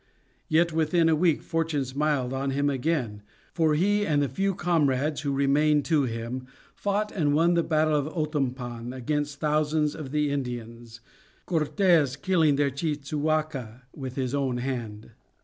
Yet within a week fortune smiled on him again, for he and the few comrades who remained to him fought and won the battle of Otompan against thousands of the Indians, Cortes killing their chief Cihuaca with his own hand.